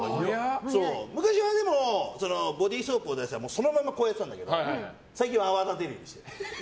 昔はボディーソープを出したらそのままこうやってたんだけど最近は泡立てるようにしてる。